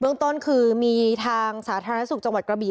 เรื่องต้นคือมีทางสาธารณสุขจังหวัดกระบี่